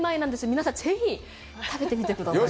皆さん、ぜひ食べてみてください。